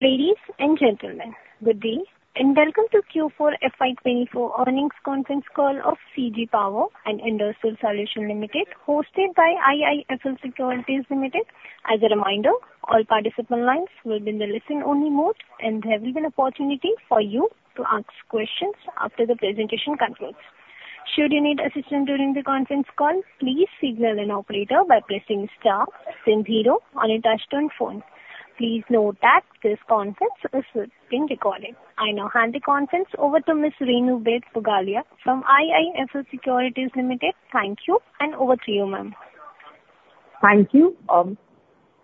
Ladies and gentlemen, good day, and welcome to Q4 FY24 earnings conference call of CG Power and Industrial Solutions Limited, hosted by IIFL Securities Limited. As a reminder, all participant lines will be in the listen-only mode, and there will be an opportunity for you to ask questions after the presentation concludes. Should you need assistance during the conference call, please signal an operator by pressing star then zero on your touchtone phone. Please note that this conference is being recorded. I now hand the conference over to Ms. Renu Baid from IIFL Securities Limited. Thank you, and over to you, ma'am. Thank you.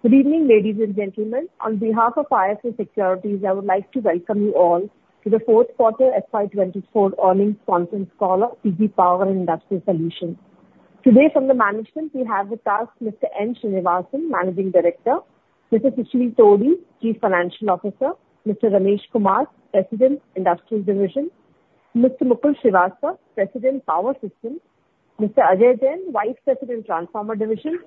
Good evening, ladies and gentlemen. On behalf of IIFL Securities, I would like to welcome you all to the fourth quarter FY24 earnings conference call of CG Power and Industrial Solutions. Today from the management, we have with us Mr. N. Srinivasan, Managing Director, Mr. Sushil Todi, Chief Financial Officer, Mr. Ramesh Kumar, President, Industrial Division, Mr. Mukul Srivastava, President, Power System, Mr. Ajay Jain, Vice President, Transformer Division,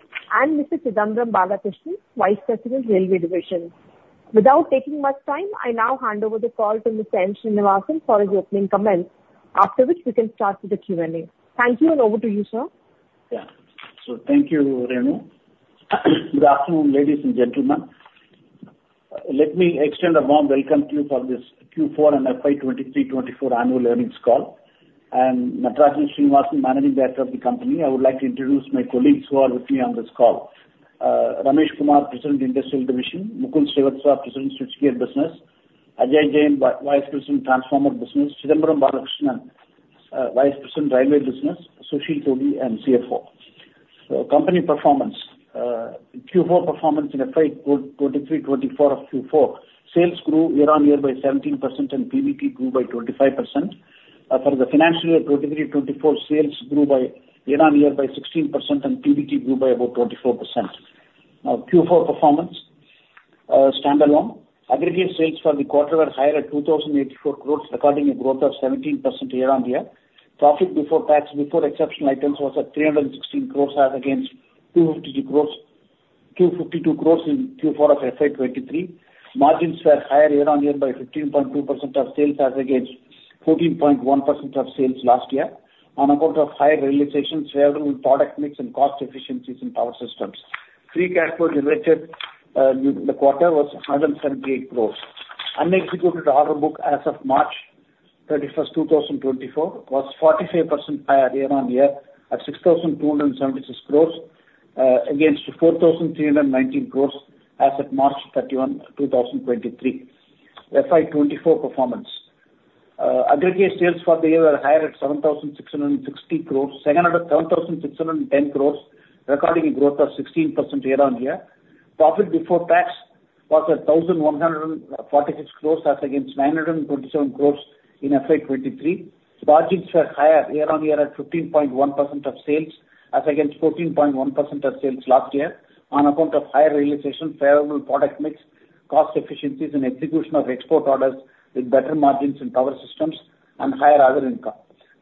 and Mr. Chidambaram Balakrishnan, Vice President, Railway Division. Without taking much time, I now hand over the call to Mr. N. Srinivasan for his opening comments, after which we can start with the Q&A. Thank you, and over to you, sir. Yeah. So thank you, Renu. Good afternoon, ladies and gentlemen. Let me extend a warm welcome to you for this Q4 and FY 2023-2024 annual earnings call. I'm Natarajan Srinivasan, managing director of the company. I would like to introduce my colleagues who are with me on this call. Ramesh Kumar, President, Industrial Division; Mukul Srivastava, President, Switchgear Business; Ajay Jain, Vice President, Transformer Business; Chidambaram Balakrishnan, Vice President, Railway Business; Sushil Todi, and CFO. Company performance. Q4 performance in FY 2023-2024 of Q4, sales grew year-on-year by 17% and PBT grew by 25%. For the financial year 2023-2024, sales grew year-on-year by 16% and PBT grew by about 24%. Now, Q4 performance, standalone. Aggregate sales for the quarter were higher at 2,084 crores, recording a growth of 17% year-on-year. Profit before tax, before exceptional items, was at 316 crores as against 252 crores, 252 crores in Q4 of FY 2023. Margins were higher year-on-year by 15.2% of sales as against 14.1% of sales last year, on account of higher realization, favorable product mix, and cost efficiencies in power systems. Free cash flow generated during the quarter was 178 crores. Unexecuted order book as of March 31, 2024, was 45% higher year-on-year at 6,276 crores against 4,319 crores as of March 31, 2023. FY 2024 performance. Aggregate sales for the year were higher at 7,660 crores, 700, 7,610 crores, recording a growth of 16% year-on-year. Profit before tax was at 1,146 crore as against 927 crore in FY 2023. Margins were higher year-on-year at 15.1% of sales, as against 14.1% of sales last year, on account of higher realization, favorable product mix, cost efficiencies and execution of export orders with better margins in power systems and higher other income.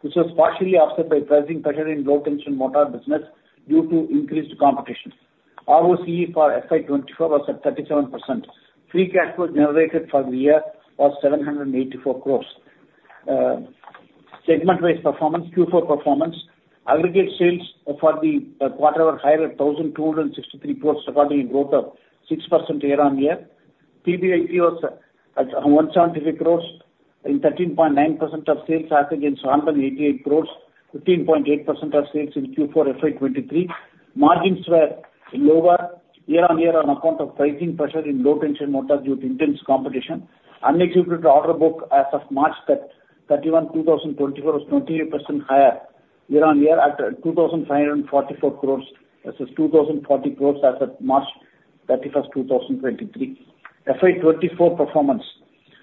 This was partially offset by pricing pressure in low tension motor business due to increased competition. ROCE for FY 2024 was at 37%. Free cash flow generated for the year was 784 crore. Segment-wise performance, Q4 performance. Aggregate sales for the quarter were higher, at 1,263 crore, recording a growth of 6% year-on-year. PBIT was at 175 crores, 13.9% of sales, as against 188 crores, 15.8% of sales in Q4 FY 2023. Margins were lower year-on-year on account of pricing pressure in low tension motors due to intense competition. Unexecuted order book as of March 31, 2024, was 20% higher year-on-year at 2,544 crores, versus 2,040 crores as of March 31, 2023. FY 2024 performance.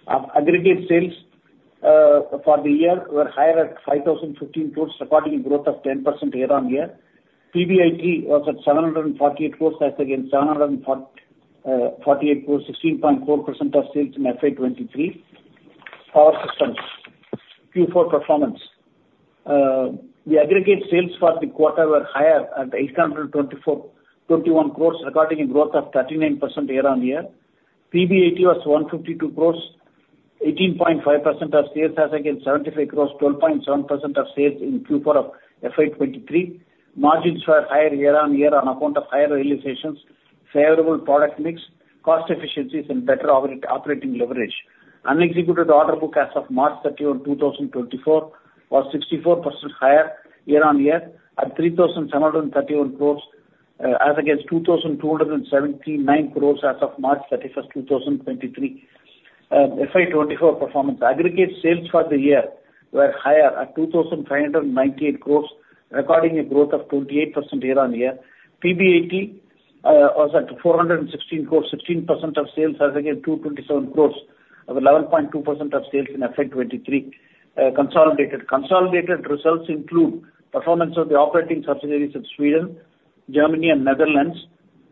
Aggregate sales for the year were higher at 5,050 crores, recording a growth of 10% year-on-year. PBIT was at 748 crores as against 748 crores, 16.4% of sales in FY 2023. Power systems. Q4 performance. The aggregate sales for the quarter were higher at 824.21 crore, recording a growth of 39% year-on-year. PBIT was 152 crore, 18.5% of sales, as against 75 crore, 12.7% of sales in Q4 of FY 2023. Margins were higher year-on-year on account of higher realizations, favorable product mix, cost efficiencies, and better operating leverage. Unexecuted order book as of March 31, 2024, was 64% higher year-on-year at 3,731 crore, as against 2,279 crore as of March 31, 2023. FY 2024 performance. Aggregate sales for the year were higher at 2,598 crore, recording a growth of 28% year-on-year. PBIT was at 416 crores, 16% of sales as against 227 crores of 11.2% of sales in FY 2023. Consolidated results include performance of the operating subsidiaries in Sweden, Germany and Netherlands,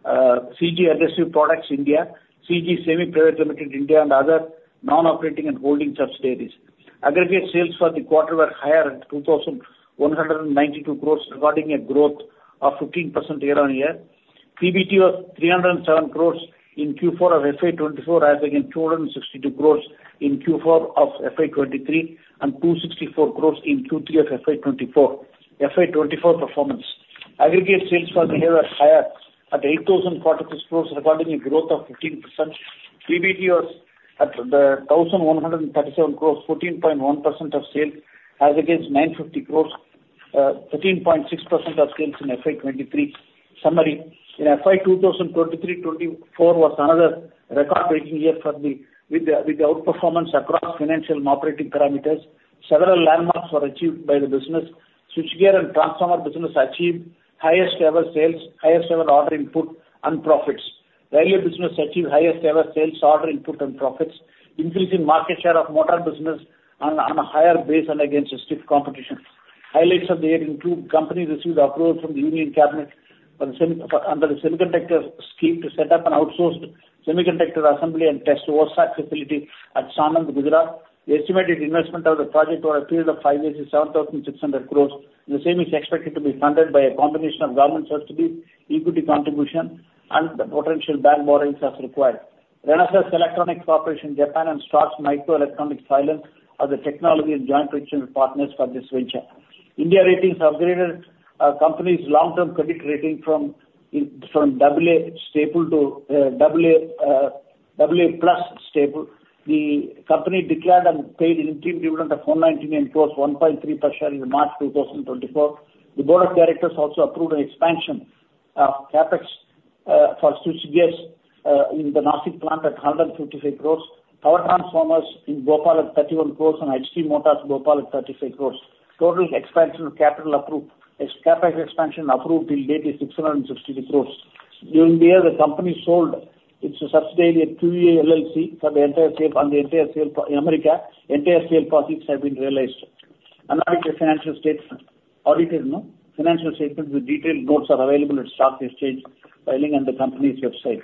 CG Adhesive Products, India, CG Semi Private Limited, India, and other non-operating and holding subsidiaries... Aggregate sales for the quarter were higher at 2,192 crores, recording a growth of 15% year-on-year. PBT was 307 crores in Q4 of FY 2024, as against INR 262 crores in Q4 of FY 2023, and INR 264 crores in Q3 of FY 2024. FY 2024 performance. Aggregate sales for the year were higher at 8,046 crores, recording a growth of 15%. PBT was at 1,137 crores, 14.1% of sales, as against 950 crores, 13.6% of sales in FY 2023. Summary: In FY 2023-24 was another record-breaking year for the with the outperformance across financial and operating parameters. Several landmarks were achieved by the business. Switchgear and transformer business achieved highest ever sales, highest ever order input and profits. Rail business achieved highest ever sales, order input and profits. Increase in market share of motor business on a higher base and against a stiff competition. Highlights of the year include company received approval from the Union Cabinet under the semiconductor scheme to set up an outsourced semiconductor assembly and test facility at Sanand, Gujarat. The estimated investment of the project over a period of five years is 7,600 crore. The same is expected to be funded by a combination of government subsidy, equity contribution, and the potential bank borrowings as required. Renesas Electronics Corporation, Japan and Stars Microelectronics, Thailand, are the technology and joint venture partners for this venture. India Ratings upgraded company's long-term credit rating from AA stable to AA+ stable. The company declared and paid interim dividend of 499 crore, 1.3% in March 2024. The Board of Directors also approved an expansion of CapEx for switchgears in the Nashik plant at 155 crore, power transformers in Bhopal at 31 crore, and HT Motors, Bhopal, at 35 crore. Total expansion capital approved ex-CapEx expansion approved till date is 663 crore. During the year, the company sold its subsidiary, Qalo LLC, for the entire sale, on the entire sale. Entire sale profits have been realized. Analysis of financial statements. Audited financial statements with detailed notes are available at Stock Exchange filing on the company's website.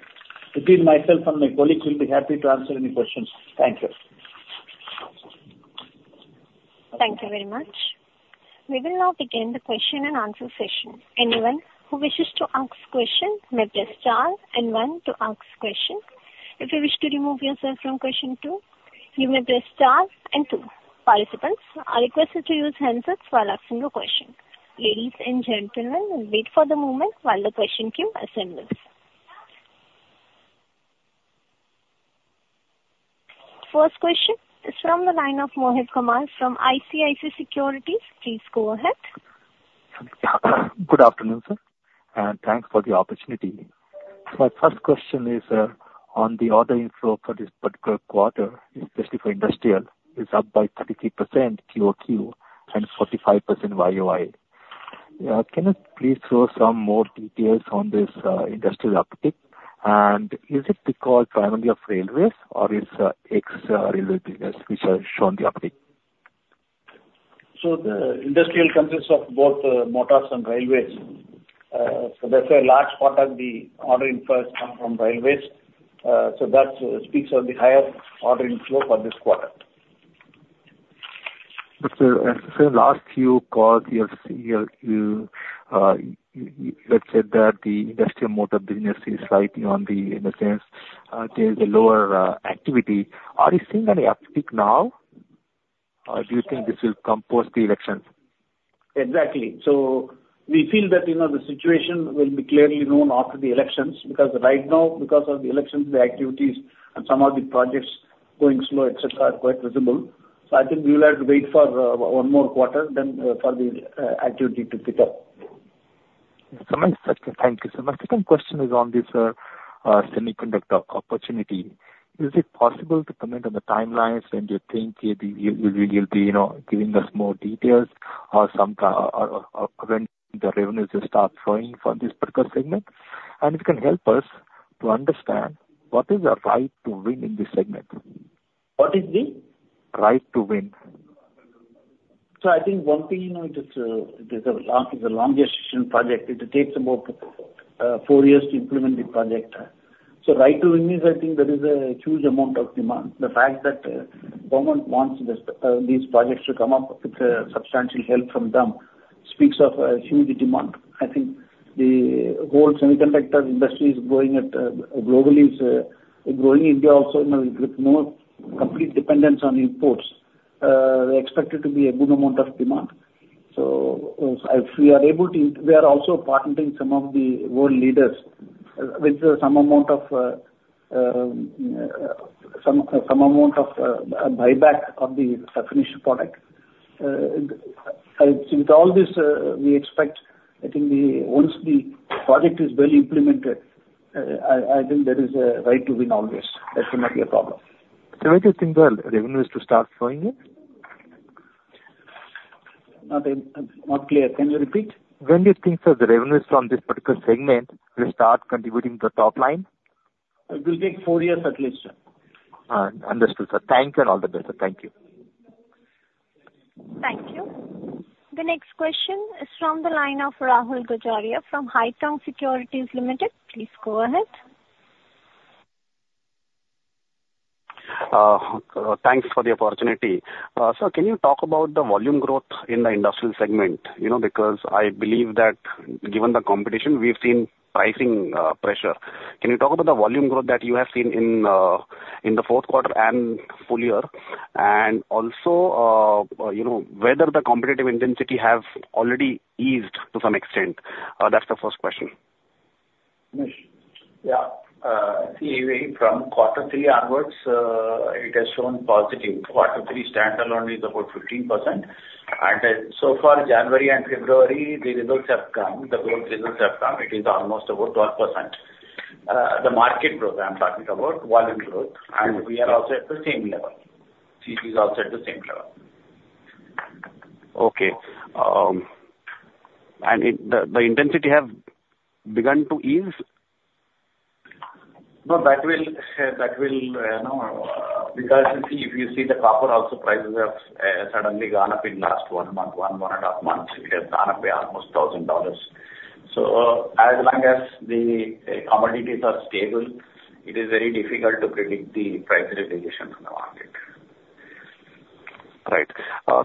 Between myself and my colleagues, we'll be happy to answer any questions. Thank you. Thank you very much. We will now begin the question and answer session. Anyone who wishes to ask question may press star and one to ask question. If you wish to remove yourself from question two, you may press star and two. Participants are requested to use handsets while asking your question. Ladies and gentlemen, wait for the moment while the question queue assembles. First question is from the line of Mohit Kumar from ICICI Securities. Please go ahead. Good afternoon, sir, and thanks for the opportunity. My first question is, on the order inflow for this particular quarter, especially for industrial, is up by 33% QOQ and 45% YOY. Can you please throw some more details on this, industrial uptick? And is it because primarily of railways or is, ex-railway business which has shown the uptick? So the industrial consists of both, motors and railways. So that's a large part of the order input come from railways. So that speaks on the higher order inflow for this quarter. Sir, so last few calls you have said, you had said that the industrial motor business is slightly on the, in the sense, there's a lower activity. Are you seeing any uptick now, or do you think this will come post the elections? Exactly. So we feel that, you know, the situation will be clearly known after the elections, because right now, because of the elections, the activities and some of the projects going slow, et cetera, are quite visible. So I think we will have to wait for one more quarter then for the activity to pick up. Thank you, sir. My second question is on this semiconductor opportunity. Is it possible to comment on the timelines when you think it, you'll be, you know, giving us more details or when the revenues will start flowing from this particular segment? And if you can help us to understand, what is your right to win in this segment? What is the? Right to win. So I think one thing, you know, it is, it is a long, it's a long-term project. It takes about 4 years to implement the project. So right to win means, I think there is a huge amount of demand. The fact that, government wants this, these projects to come up with, substantial help from them speaks of a huge demand. I think the whole semiconductor industry is growing at, globally is, growing. India also now with more complete dependence on imports, we expect it to be a good amount of demand. So if we are able to... We are also partnering some of the world leaders, with some amount of, some, some amount of, buyback of the finished product. I think with all this, we expect, I think once the project is well implemented, I think there is a right to win always. That will not be a problem. So when do you think the revenues to start flowing in? Not in, not clear. Can you repeat? When do you think the revenues from this particular segment will start contributing to the top line? It will take four years at least, sir. Understood, sir. Thank you, and all the best, sir. Thank you. Thank you. The next question is from the line of Rahul Gajare, from Haitong Securities Limited. Please go ahead. Thanks for the opportunity. So can you talk about the volume growth in the industrial segment? You know, because I believe that given the competition, we've seen pricing pressure. Can you talk about the volume growth that you have seen in the fourth quarter and full year? And also, you know, whether the competitive intensity have already eased to some extent? That's the first question. Yeah. See, from quarter three onwards, it has shown positive. Quarter three stand-alone is about 15%, and so far, January and February, the results have come, the growth results have come, it is almost about 12%. The market growth, I'm talking about, volume growth, and we are also at the same level. CT is also at the same level. Okay. And it, the intensity have begun to ease? No, that will not, because if you see the copper also, prices have suddenly gone up in last one month, one and a half months. It has gone up by almost $1,000. So, as long as the commodities are stable, it is very difficult to predict the price realization in the market. Right.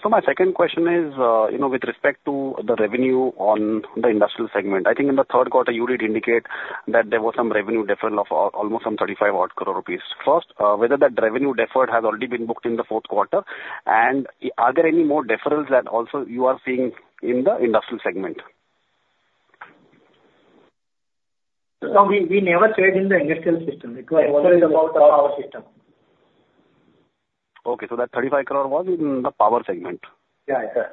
So my second question is, you know, with respect to the revenue on the industrial segment, I think in the third quarter, you did indicate that there was some revenue deferral of almost some 35 crore rupees. First, whether that revenue deferred has already been booked in the fourth quarter, and are there any more deferrals that also you are seeing in the industrial segment? So we never said in the industrial system, it was always about the power system. Okay, so that 35 crore was in the power segment? Yeah, yeah.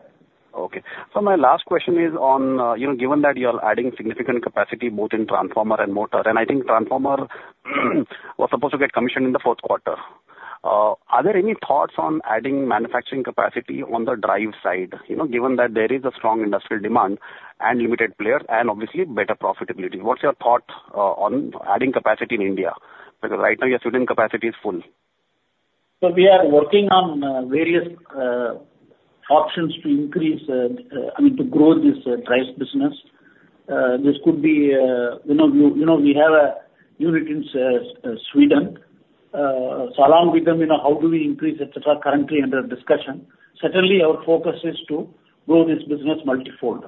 Okay. So my last question is on, you know, given that you're adding significant capacity both in transformer and motor, and I think transformer was supposed to get commissioned in the fourth quarter. Are there any thoughts on adding manufacturing capacity on the drive side? You know, given that there is a strong industrial demand and limited player and obviously better profitability. What's your thought, on adding capacity in India? Because right now, your Sweden capacity is full. So we are working on, various, options to increase, I mean, to grow this, drive business. This could be, you know, you, you know, we have a unit in S- Sweden. So along with them, you know, how do we increase et cetera, currently under discussion. Certainly, our focus is to grow this business multifold.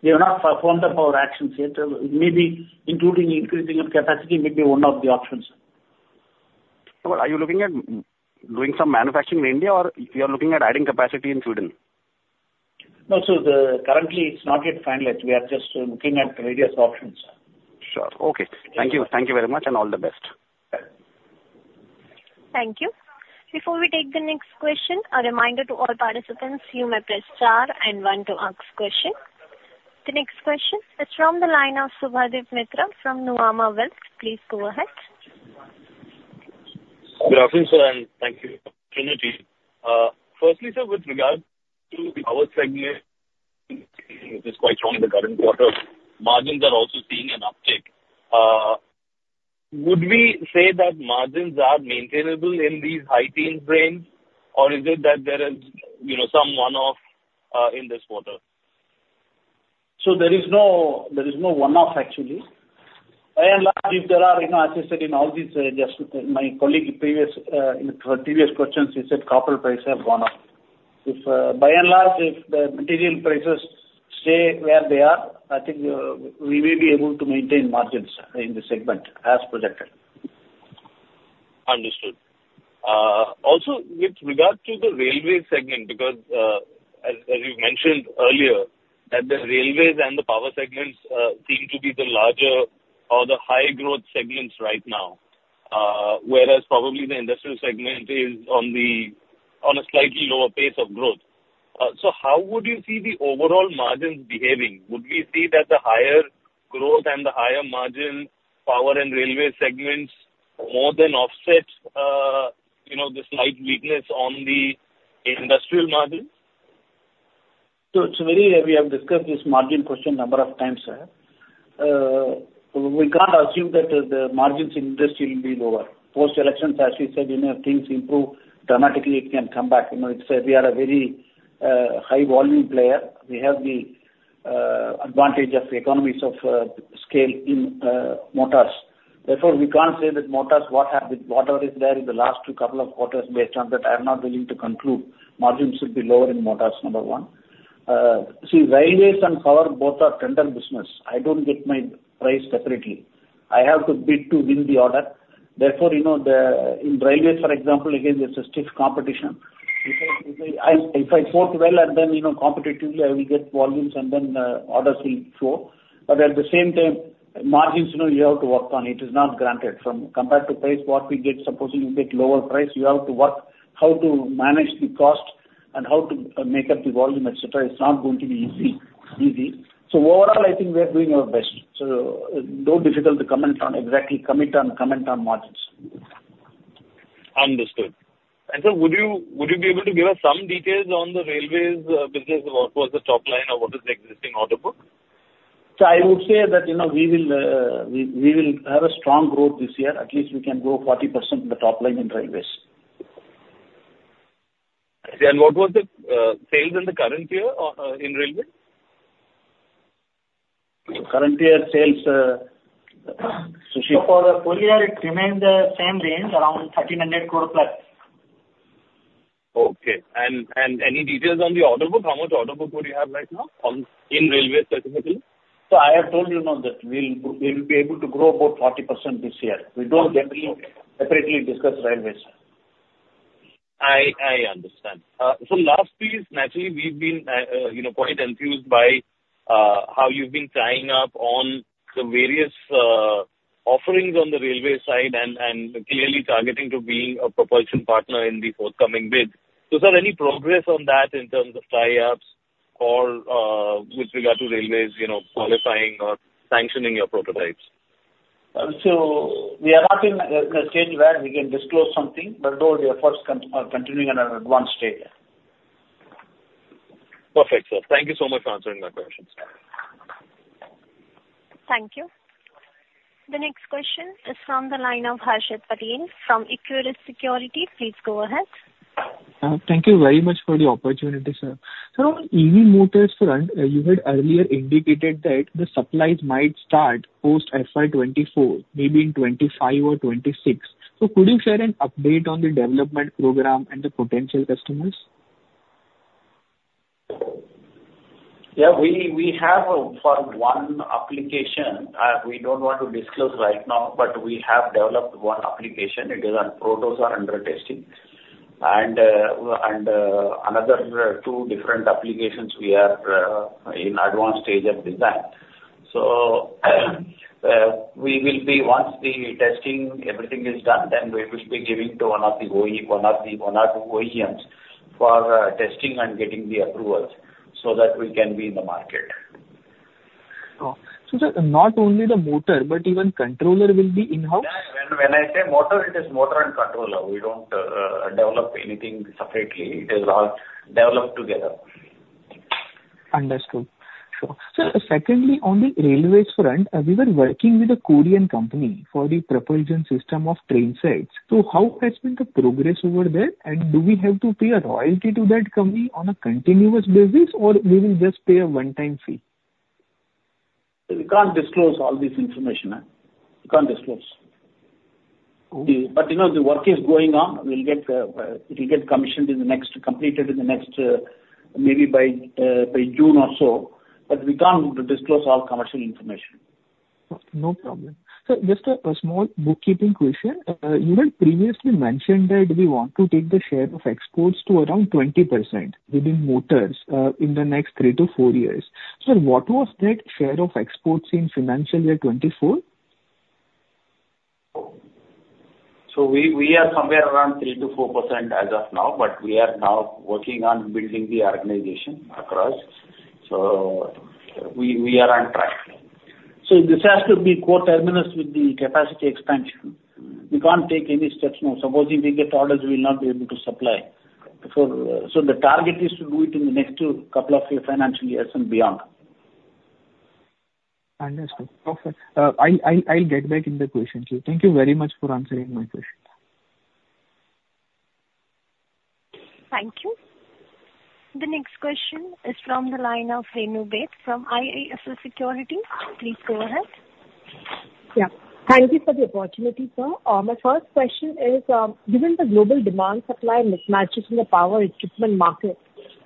We have not performed our actions yet. Maybe including increasing our capacity may be one of the options. Are you looking at doing some manufacturing in India, or you are looking at adding capacity in Sweden? No, so currently, it's not yet finalized. We are just looking at various options. Sure. Okay. Thank you. Thank you very much, and all the best. Thank you. Before we take the next question, a reminder to all participants, you may press star and one to ask question. The next question is from the line of Subhadip Mitra from Nuvama Wealth. Please go ahead. Good afternoon, sir, and thank you for the opportunity. Firstly, sir, with regard to the power segment, it is quite strong in the current quarter. Margins are also seeing an uptick. Would we say that margins are maintainable in these high teens range, or is it that there is, you know, some one-off, in this quarter? So there is no, there is no one-off, actually. By and large, if there are, you know, as I said, in all these, just my colleague, previous, in previous questions, he said copper prices have gone up. If, by and large, if the material prices stay where they are, I think, we may be able to maintain margins in this segment as projected. Understood. Also, with regard to the railway segment, because, as, as you mentioned earlier, that the railways and the power segments seem to be the larger or the higher growth segments right now, whereas probably the industrial segment is on a slightly lower pace of growth. So how would you see the overall margins behaving? Would we see that the higher growth and the higher margin power and railway segments more than offsets, you know, the slight weakness on the industrial margins? So it's very, we have discussed this margin question a number of times, sir. We can't assume that the margins in industry will be lower. Post-election, as we said, you know, things improve dramatically, it can come back. You know, we are a very high volume player. We have the advantage of economies of scale in motors. Therefore, we can't say that motors, what happened, whatever is there in the last two couple of quarters, based on that, I'm not willing to conclude margins should be lower in motors, number one. See, railways and power, both are tender business. I don't get my price separately. I have to bid to win the order. Therefore, you know, in railways, for example, again, there's a stiff competition. If I, if I quote well, and then, you know, competitively, I will get volumes, and then, orders will flow. But at the same time, margins, you know, you have to work on, it is not granted from compared to price, what we get, supposing you get lower price, you have to work how to manage the cost and how to make up the volume, et cetera. It's not going to be easy, easy. So overall, I think we are doing our best. So though difficult to comment on, exactly commit on, comment on margins. Understood. Sir, would you, would you be able to give us some details on the railways business? What was the top line or what is the existing order book? I would say that, you know, we will have a strong growth this year. At least we can grow 40% in the top line in railways. What was the sales in the current year in railway? Current year sales, Sushil? For the full year, it remains the same range, around 1,300 crore plus. Okay. And any details on the order book? How much order book do you have right now on, in railway specifically? So I have told you now that we'll, we'll be able to grow about 40% this year. We don't generally separately discuss railways. I understand. So last piece, naturally, we've been, you know, quite enthused by how you've been tying up on the various offerings on the railway side and clearly targeting to being a propulsion partner in the forthcoming bids. So sir, any progress on that in terms of tie-ups or with regard to railways, you know, qualifying or sanctioning your prototypes? So we are not in a stage where we can disclose something, but all the efforts are continuing on an advanced stage. Perfect, sir. Thank you so much for answering my questions. Thank you. The next question is from the line of Harshit Patel from Equirus Securities. Please go ahead. Thank you very much for the opportunity, sir. Sir, on EV motors front, you had earlier indicated that the supplies might start post FY 2024, maybe in 2025 or 2026. So could you share an update on the development program and the potential customers? Yeah, we have for one application, we don't want to disclose right now, but we have developed one application. It is on, prototypes are under testing. And another two different applications we are in advanced stage of design. So, we will be, once the testing everything is done, then we will be giving to one of the OEMs for testing and getting the approvals so that we can be in the market. Oh. So sir, not only the motor, but even controller will be in-house? Yeah. When I say motor, it is motor and controller. We don't develop anything separately. It is all developed together. Understood. Sure. Sir, secondly, on the railways front, we were working with a Korean company for the propulsion system of train sets. So how has been the progress over there, and do we have to pay a royalty to that company on a continuous basis, or we will just pay a one-time fee? We can't disclose all this information. We can't disclose. Okay. You know, the work is going on. We'll get, it will get commissioned in the next, completed in the next, maybe by, by June or so, but we can't disclose all commercial information. No problem. Sir, just a small bookkeeping question. You had previously mentioned that we want to take the share of exports to around 20% within motors, in the next 3-4 years. Sir, what was that share of exports in financial year 2024? So we are somewhere around 3%-4% as of now, but we are now working on building the organization across. So we are on track. So this has to be co-terminus with the capacity expansion. We can't take any steps now. Supposing we get orders, we will not be able to supply. So the target is to do it in the next two couple of financial years and beyond. Understood. Okay. I'll get back in the questions. Thank you very much for answering my question. Thank you. The next question is from the line of Renu Baid from IIFL Securities. Please go ahead. Yeah. Thank you for the opportunity, sir. My first question is, given the global demand supply mismatches in the power equipment market,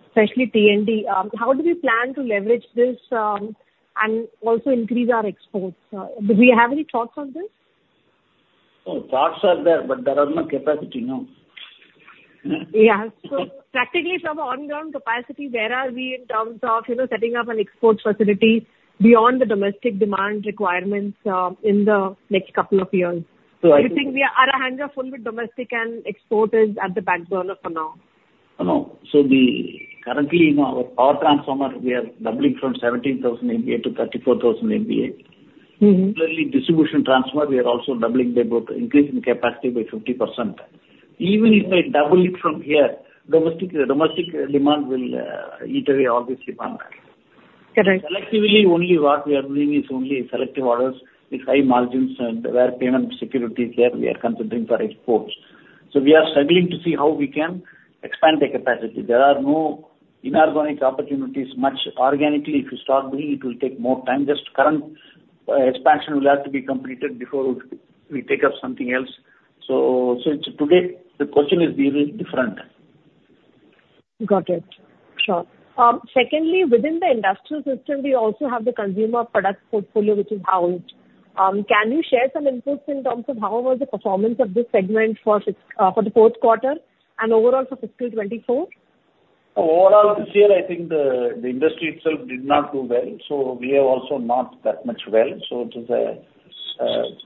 especially T&D, how do we plan to leverage this, and also increase our exports? Do we have any thoughts on this? Thoughts are there, but there are no capacity now. Yeah. So practically from on ground capacity, where are we in terms of, you know, setting up an export facility beyond the domestic demand requirements, in the next couple of years? So I- I think our hands are full with domestic and export is at the back burner for now. No. So, currently, you know, our power transformer, we are doubling from 17,000 MVA to 34,000 MVA. Mm-hmm. Clearly, distribution transformer, we are also doubling the both, increase in capacity by 50%. Even if I double it from here, domestic demand will eat away all this demand. Correct. Selectively, only what we are doing is only selective orders with high margins and where payment securities there, we are considering for exports. So we are struggling to see how we can expand the capacity. There are no inorganic opportunities, much organically. If you start doing, it will take more time. Just current expansion will have to be completed before we take up something else. So, so it's today, the question is very different. Got it. Sure. Secondly, within the industrial system, we also have the consumer product portfolio, which is housed. Can you share some insights in terms of how was the performance of this segment for the fourth quarter and overall for fiscal 2024? Overall, this year, I think the industry itself did not do well, so we are also not that much well. So it is,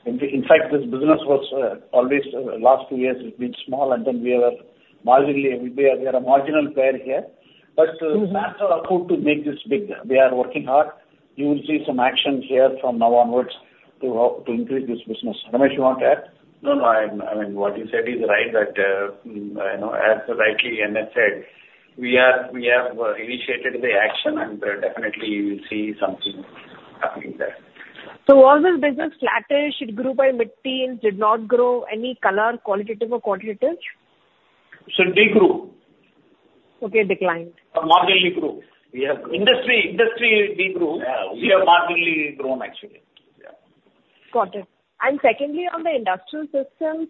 in fact, this business was always, last few years it's been small, and then we are marginally, we are a marginal player here. Mm-hmm. But plans are approved to make this big. We are working hard. You will see some actions here from now onwards to, to increase this business. Ramesh, you want to add? No, no, I mean, what you said is right, that, you know, as rightly NS said, we have initiated the action and definitely you will see something happening there. So was this business flattish? It grew by mid-teen, did not grow? Any color, qualitative or quantitative? So degrew. Okay, declined. Or marginally grew. We have- Industry, industry degrew. Yeah, we have marginally grown, actually. Yeah. Got it. Secondly, on the industrial systems,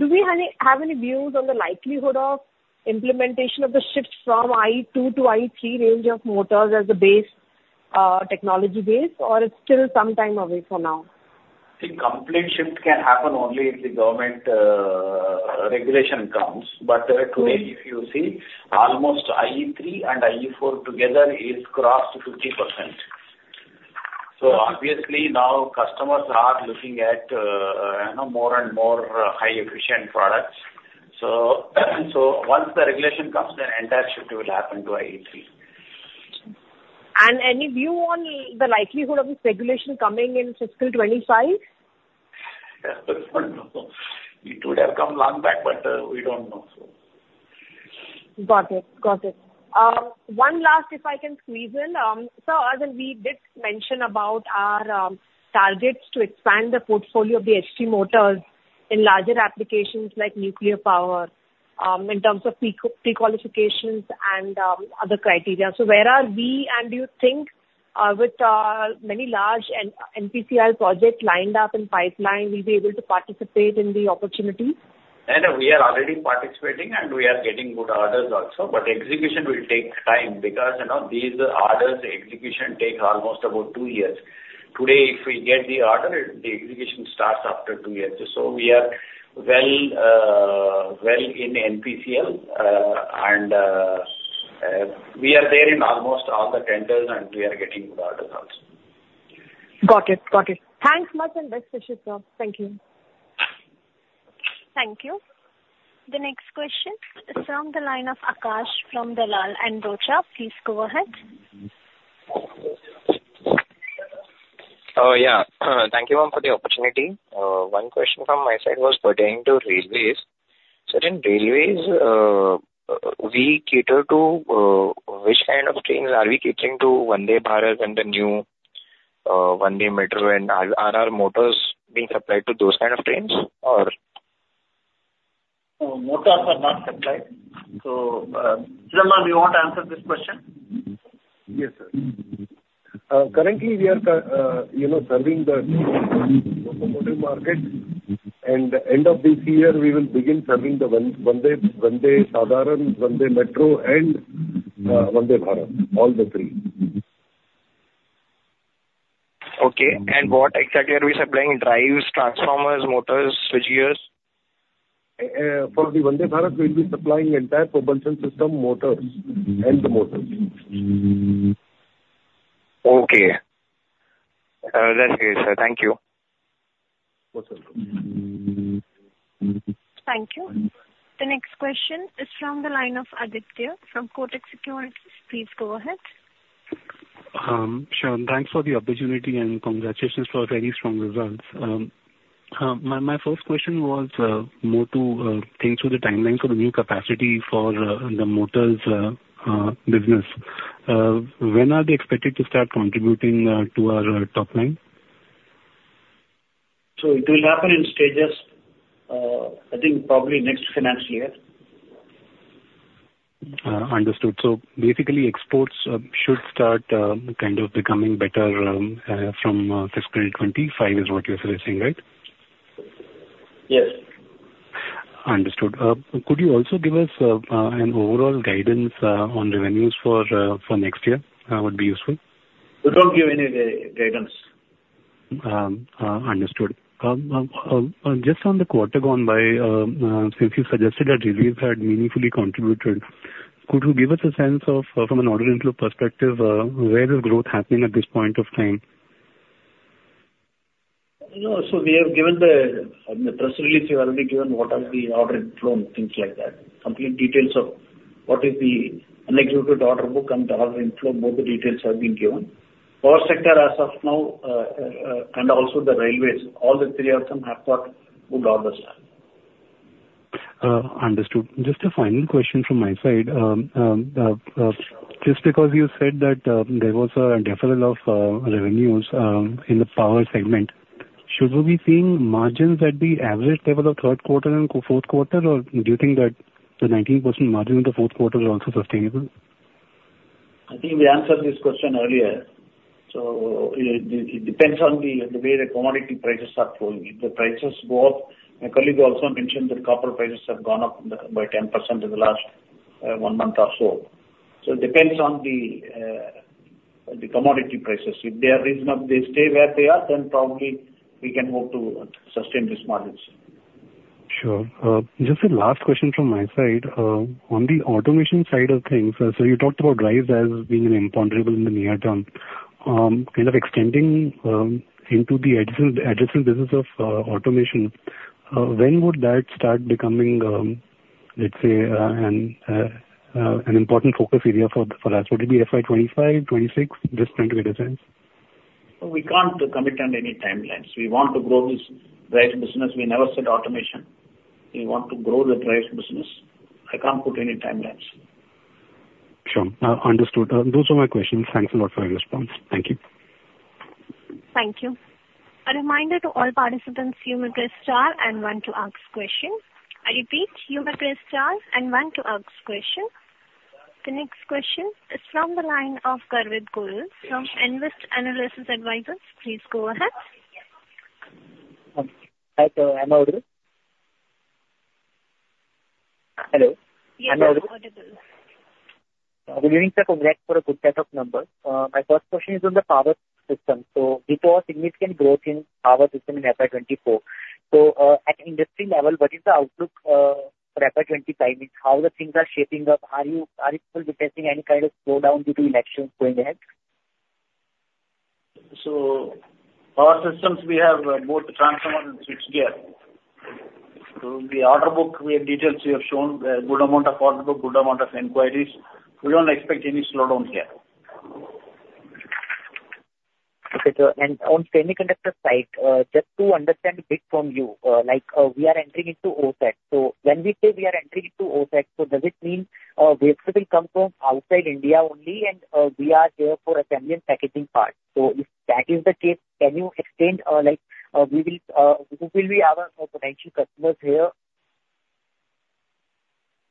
do we have any views on the likelihood of implementation of the shifts from IE2 to IE3 range of motors as a base, technology base, or it's still some time away for now? The complete shift can happen only if the government regulation comes. Mm-hmm. But today, if you see, almost IE3 and IE4 together is crossed 50%. So obviously now customers are looking at, you know, more and more high efficient products. So, so once the regulation comes, then entire shift will happen to IE3. Any view on the likelihood of this regulation coming in fiscal 25? It would have come long back, but we don't know, so. Got it. Got it. One last, if I can squeeze in. So Arjun, we did mention about our targets to expand the portfolio of the HT motors in larger applications like nuclear power, in terms of pre-qualifications and other criteria. So where are we, and do you think, with many large NPCIL projects lined up in pipeline, we'll be able to participate in the opportunities? And we are already participating, and we are getting good orders also, but execution will take time because, you know, these orders, execution take almost about 2 years. Today, if we get the order, the execution starts after 2 years. So we are well in NPCIL, and we are there in almost all the tenders, and we are getting good orders also. Got it. Got it. Thanks much, and best wishes, sir. Thank you. Thank you. The next question is from the line of Akash from Dalal & Brocha. Please go ahead. Yeah. Thank you, ma'am, for the opportunity. One question from my side was pertaining to railways. So in railways, we cater to which kind of trains are we catering to, Vande Bharat and the new Vande Metro, and are our motors being supplied to those kind of trains or? Motors are not supplied. So, Chidambaram, do you want to answer this question? Yes, sir. Currently, we are, you know, serving the locomotive market, and end of this year, we will begin serving the Vande, Vande Sadharan, Vande Metro, and Vande Bharat, all the three. Okay, and what exactly are we supplying? Drives, transformers, motors, switchgears? For the Vande Bharat, we'll be supplying entire propulsion system, motors and the motors. Okay. That's it, sir. Thank you. Most welcome. Thank you. The next question is from the line of Aditya from Kotak Securities. Please go ahead. Sure. Thanks for the opportunity, and congratulations for very strong results. My first question was more to think through the timeline for the new capacity for the motors business. When are they expected to start contributing to our top line? So it will happen in stages, I think probably next financial year. Understood. So basically, exports should start kind of becoming better from fiscal 25, is what you're saying, right? Yes. Understood. Could you also give us an overall guidance on revenues for next year? Would be useful. We don't give any guidance. Understood. Just on the quarter gone by, since you suggested that railways had meaningfully contributed, could you give us a sense of, from an order inflow perspective, where is growth happening at this point of time? You know, so we have given the, on the press release, we've already given what are the order inflow and things like that. Complete details of what is the unexecuted order book and the order inflow, more details have been given. Power sector, as of now, and also the railways, all the three of them have got good orders. Understood. Just a final question from my side. Just because you said that there was a downfall of revenues in the power segment, should we be seeing margins at the average level of third quarter and fourth quarter, or do you think that the 19% margin in the fourth quarter is also sustainable? I think we answered this question earlier. So it depends on the way the commodity prices are flowing. If the prices go up, my colleague also mentioned that copper prices have gone up by 10% in the last one month or so. So it depends on the commodity prices. If they are reasonable, they stay where they are, then probably we can hope to sustain these margins. Sure. Just a last question from my side. On the automation side of things, so you talked about drives as being an imponderable in the near term. Kind of extending into the adjacent, adjacent business of automation, when would that start becoming, let's say, an important focus area for us? Would it be FY 25, 26, this kind of a sense? We can't commit on any timelines. We want to grow this drives business. We never said automation. We want to grow the drives business. I can't put any timelines. Sure, understood. Those are my questions. Thanks a lot for your response. Thank you. Thank you. A reminder to all participants, you may press star and one to ask question. I repeat, you may press star and one to ask question. The next question is from the line of Garvit Goyal from Nvest Analytics. Please go ahead. Hi, sir. Am I audible? Hello? Yes, you're audible. Good evening, sir, congrats for a good set of numbers. My first question is on the power system. So we saw significant growth in power system in FY 24. So, at industry level, what is the outlook, for FY 25? Means, how the things are shaping up? Are you, are you people detecting any kind of slowdown due to elections going ahead? So power systems, we have both transformer and switchgear. So the order book, we have details we have shown, good amount of order book, good amount of inquiries. We don't expect any slowdown here. Okay, sir, and on semiconductor side, just to understand a bit from you, like, we are entering into OSAT. So when we say we are entering into OSAT, so does it mean, wafers will come from outside India only, and, we are there for assembly and packaging part? So if that is the case, can you explain, like, who will be our potential customers here?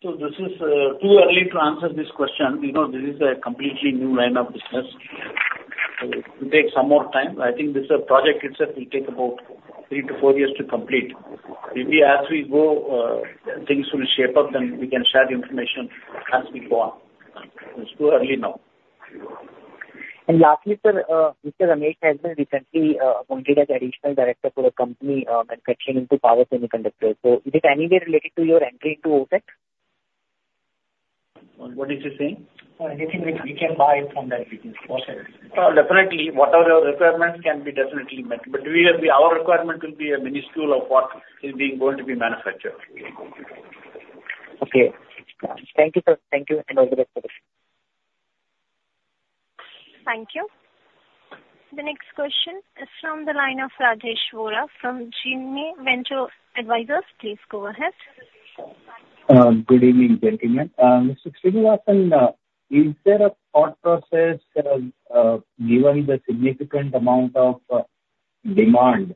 So this is too early to answer this question. You know, this is a completely new line of business. It will take some more time. I think this project itself will take about 3-4 years to complete. Maybe as we go, things will shape up, then we can share the information as we go on. It's too early now. Lastly, sir, Mr. Amit has been recently appointed as additional director for the company manufacturing to power semiconductor. Is it anywhere related to your entry into OSAT? What is he saying? Anything which we can buy from the OSAT. Definitely, whatever the requirements can be definitely met, but our requirement will be a minuscule of what is being going to be manufactured. Okay. Thank you, sir. Thank you, and have a good day. Thank you. The next question is from the line of Rajesh Vora from Jainmay Ventures. Please go ahead. Good evening, gentlemen. Mr. Srinivasan, is there a thought process, given the significant amount of demand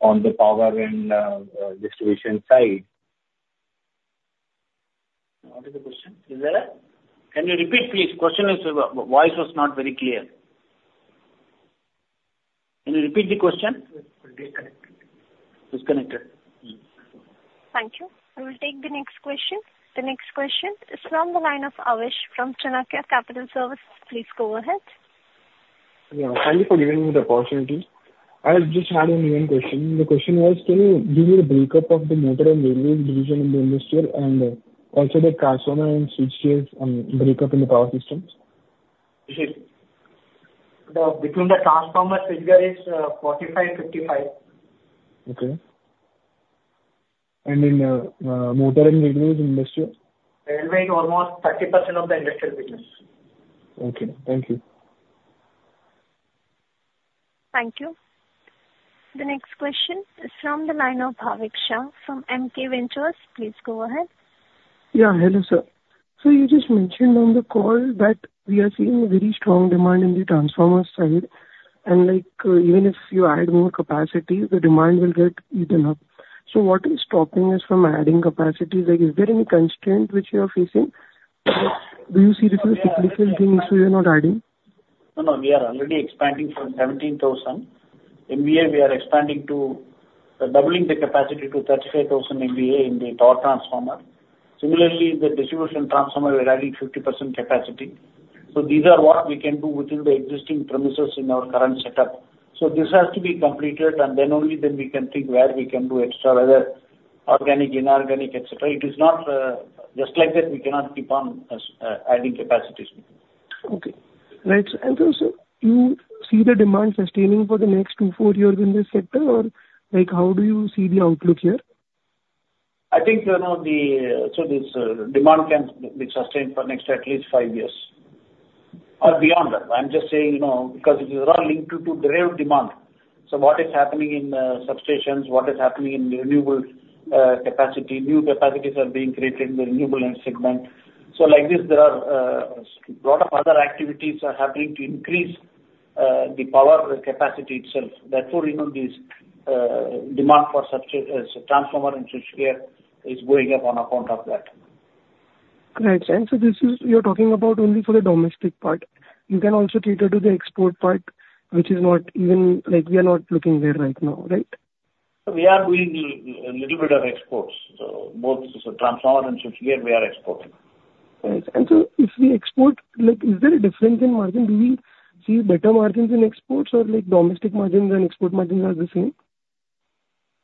on the power and, distribution side? What is the question? Is there a... Can you repeat, please? Question is, voice was not very clear. Can you repeat the question? Disconnected. Disconnected. Thank you. I will take the next question. The next question is from the line of Avesh from Chanakya Capital Services. Please go ahead. Yeah, thank you for giving me the opportunity. I just had one main question. The question was, can you give me a breakup of the motor and railway division in the Industrial, and also the transformer and switchgears and breakup in the Power Systems? Sure. The between the transformer switchgear is 45-55. Okay. And in motor and railways in industrial? Railway is almost 30% of the industrial business. Okay, thank you. Thank you. The next question is from the line of Bhavik Shah from MK Ventures. Please go ahead. Yeah, hello, sir. So you just mentioned on the call that we are seeing very strong demand in the transformer side, and, like, even if you add more capacity, the demand will get eaten up. So what is stopping us from adding capacity? Like, is there any constraint which you are facing? Do you see the significant things so you're not adding? No, no, we are already expanding from 17,000 MVA. We are expanding to doubling the capacity to 35,000 MVA in the power transformer. Similarly, the distribution transformer, we're adding 50% capacity. So these are what we can do within the existing premises in our current setup. So this has to be completed, and then only then we can think where we can do extra, whether organic, inorganic, et cetera. It is not just like that. We cannot keep on adding capacities. Okay. Right. So, sir, you see the demand sustaining for the next 2-4 years in this sector, or, like, how do you see the outlook here? I think, you know, so this demand can be sustained for next at least five years or beyond that. I'm just saying, you know, because it is all linked to derived demand. So what is happening in substations, what is happening in renewable capacity, new capacities are being created in the renewable segment. So like this, there are lot of other activities are happening to increase the power capacity itself. Therefore, you know, this demand for substation transformer and switchgear is going up on account of that. Right. And so this is, you're talking about only for the domestic part. You can also cater to the export part, which is not even, like, we are not looking there right now, right? So we are doing a little bit of exports. So both the transformer and switchgear, we are exporting. Right. And so if we export, like, is there a difference in margin? Do we see better margins in exports or, like, domestic margins and export margins are the same?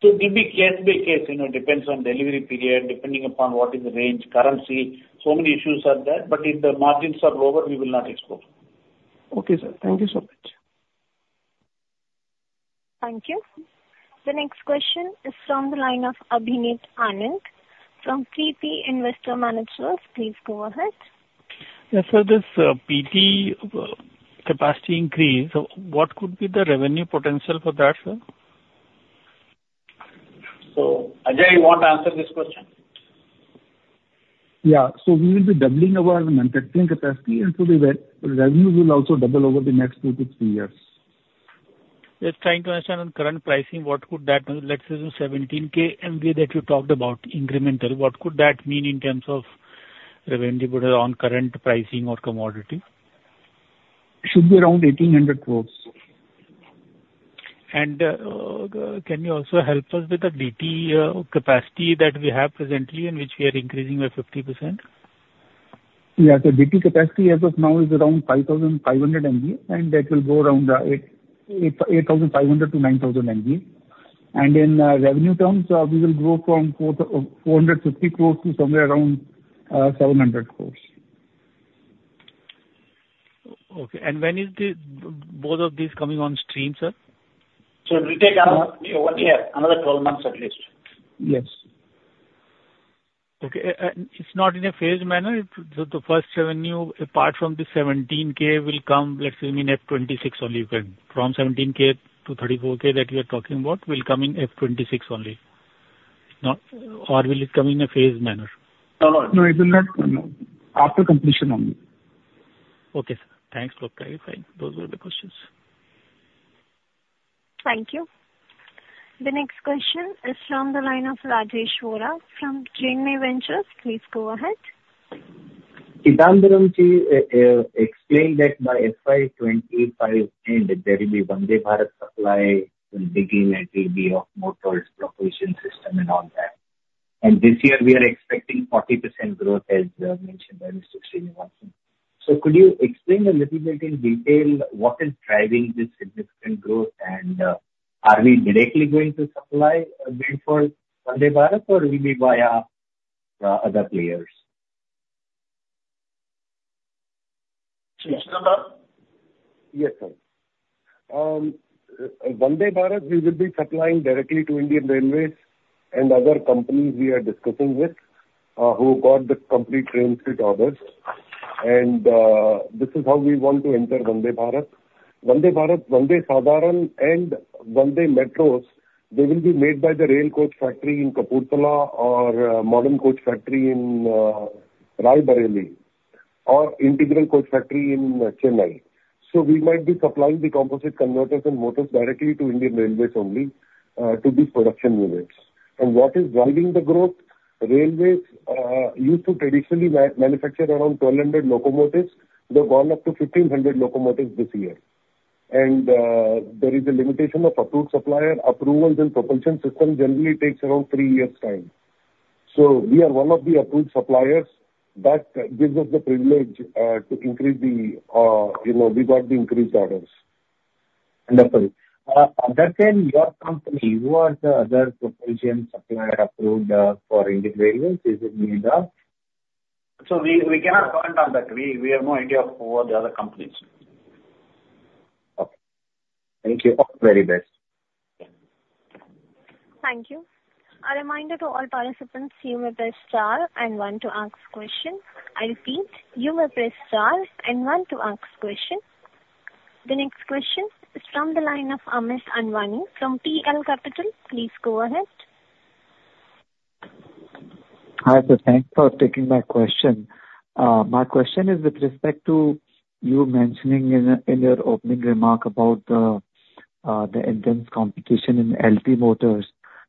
It will be case by case, you know, depends on delivery period, depending upon what is the range, currency, so many issues are there, but if the margins are lower, we will not export. Okay, sir. Thank you so much. Thank you. The next question is from the line of Abhineet Anand from Antique Stock Broking Limited. Please go ahead. Yes, sir, this PT capacity increase, so what could be the revenue potential for that, sir? So, Ajay, you want to answer this question? Yeah. So we will be doubling our manufacturing capacity, and so the revenue will also double over the next 2-3 years. Just trying to understand on current pricing, what could that, let's say, the 17 K MVA that you talked about incremental, what could that mean in terms of revenue, but on current pricing or commodity? Should be around 1,800 crore. And, can you also help us with the DT capacity that we have presently and which we are increasing by 50%? Yeah. The DT capacity as of now is around 5,500 MVA, and that will go around 8,850-9,000 MVA. And in revenue terms, we will grow from 450 crores to somewhere around 700 crores. Okay, and when is the both of these coming on stream, sir? It will take around 1 year, another 12 months at least. Yes. Okay, it's not in a phased manner? The first revenue, apart from the 17K, will come, let's say, I mean, at 26 only, when from 17K to 34K that we are talking about, will come in FY26 only, no? Or will it come in a phased manner? No, it will not. After completion only. Okay, sir. Thanks a lot, Ajay. Fine, those were the questions. Thank you. The next question is from the line of Rajesh Vora from Jainmay Ventures. Please go ahead. Chidambaram, to explain that by FY 2025 end, there will be Vande Bharat supply will begin, and it will be of motors, propulsion system and all that. And this year, we are expecting 40% growth, as mentioned by Mr. Srinivasan. So could you explain a little bit in detail what is driving this significant growth? And, are we directly going to supply made for Vande Bharat, or will be via other players? Srinivasan? Yes, sir. Vande Bharat, we will be supplying directly to Indian Railways and other companies we are discussing with who got the complete train set orders. And this is how we want to enter Vande Bharat. Vande Bharat, Vande Sadharan and Vande Metros, they will be made by the Rail Coach Factory in Kapurthala or Modern Coach Factory in Rae Bareli, or Integral Coach Factory in Chennai. So we might be supplying the composite converters and motors directly to Indian Railways only to these production units. And what is driving the growth? Railways used to traditionally manufacture around 1,200 locomotives. They've gone up to 1,500 locomotives this year. And there is a limitation of approved supplier. Approvals and propulsion system generally takes around three years' time. We are one of the approved suppliers, that gives us the privilege, to increase the, you know, we got the increased orders. Other than your company, who are the other propulsion supplier approved for Indian Railways? Is it Medha? So we cannot comment on that. We have no idea of who are the other companies. Okay. Thank you. All the very best. Thank you. A reminder to all participants, you may press star and one to ask question. I repeat, you may press star and one to ask question. The next question is from the line of Amish Kanani from PL Capital. Please go ahead. Hi, sir. Thanks for taking my question. My question is with respect to you mentioning in your opening remark about the intense competition in LT motors.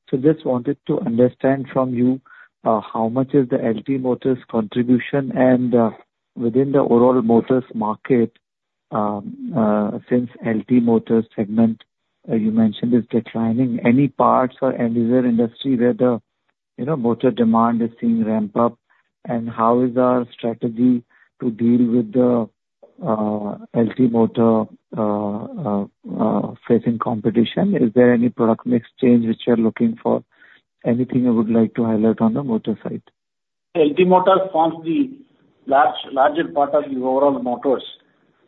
So just wanted to understand from you, how much is the LT motors contribution and, within the overall motors market, since LT motors segment, you mentioned, is declining, any parts or any other industry where the, you know, motor demand is seeing ramp up? And how is our strategy to deal with the LT motor facing competition? Is there any product mix change which you are looking for? Anything you would like to highlight on the motor side. LT motors forms the large, larger part of the overall motors.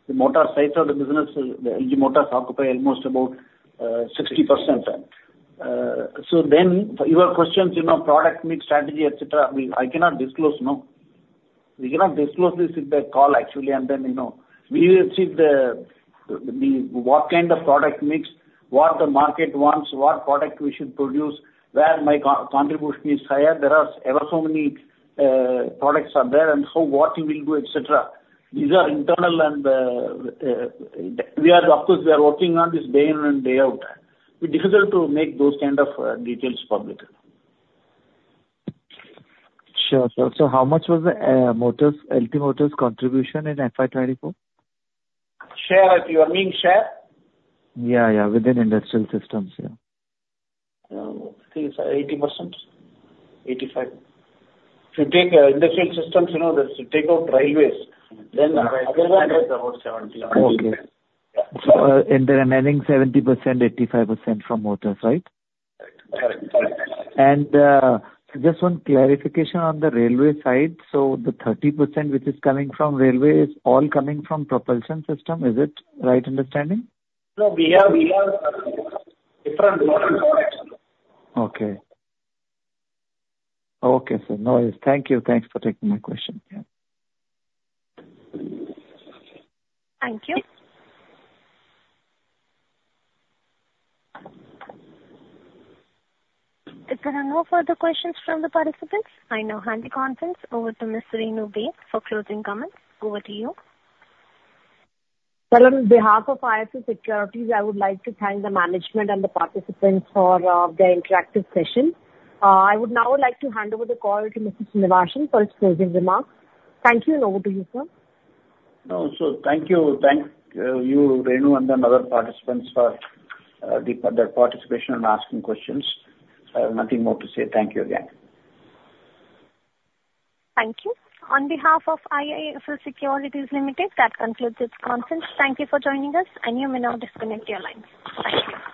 The motor size of the business, the LT motors occupy almost about 60%. So then your questions, you know, product mix, strategy, et cetera, we—I cannot disclose, no. We cannot disclose this in the call, actually, and then, you know. We will see the what kind of product mix, what the market wants, what product we should produce, where my contribution is higher. There are ever so many products are there, and so what we will do, et cetera. These are internal and we are. Of course, we are working on this day in and day out. It's difficult to make those kind of details public. Sure, sir. So how much was the motors, LT motors contribution in FY 2024? Share? You are meaning share? Yeah, yeah, within industrial systems, yeah. I think it's 80%, 85. If you take industrial systems, you know, that's to take out railways, then railways, that is about 70%. Okay. So, they're earning 70%-85% from motors, right? Correct, correct. Just one clarification on the railway side. So the 30% which is coming from railway is all coming from propulsion system. Is it right understanding? No, we have different motor products. Okay. Okay, sir, no worries. Thank you. Thanks for taking my question, yeah. Thank you. If there are no further questions from the participants, I now hand the conference over to Ms. Renu Baid for closing comments. Over to you. Well, on behalf of IIFL Securities, I would like to thank the management and the participants for their interactive session. I would now like to hand over the call to Mr. Srinivasan for his closing remarks. Thank you, and over to you, sir. No, so thank you. Thank you, Renu, and then other participants for the participation and asking questions. I have nothing more to say. Thank you again. Thank you. On behalf of IIFL Securities Limited, that concludes this conference. Thank you for joining us, and you may now disconnect your lines. Thank you.